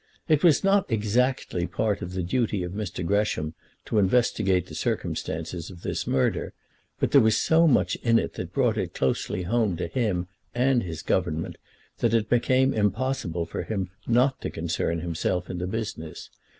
It was not exactly part of the duty of Mr. Gresham to investigate the circumstances of this murder; but there was so much in it that brought it closely home to him and his Government, that it became impossible for him not to concern himself in the business.